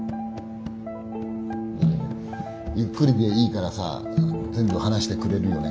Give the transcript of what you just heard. ゆっくりでいいからさ全部話してくれるよね。